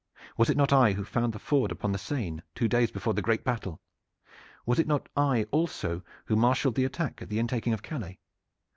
Was it not I who found the ford upon the Seine two days before the great battle? Was it not I also who marshaled the attack at the intaking of Calais?